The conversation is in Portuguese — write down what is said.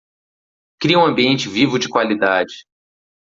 Crie um ambiente vivo de qualidade